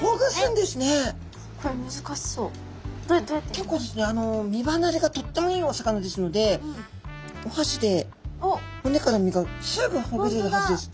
結構ですね身ばなれがとってもいいお魚ですのでおはしで骨から身がすぐほぐれるはずです。